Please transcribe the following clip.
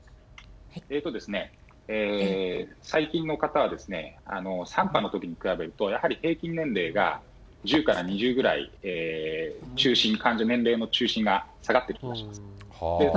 最近の方は、３波のときに比べると、やはり平均年齢が１０から２０ぐらい、患者の年齢の中心が下がってきました。